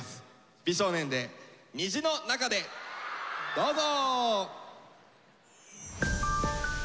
美少年で「虹の中で」。どうぞ。